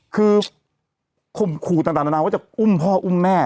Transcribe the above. คือคุงคู่ตานนะว่าจะอุ้มพ่ออุ้มแม่